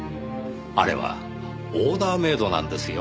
あれはオーダーメイドなんですよ。